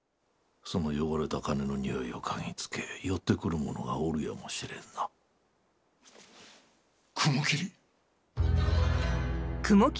その汚れた金のにおいを嗅ぎつけ寄ってくるものがおるやもしれんな。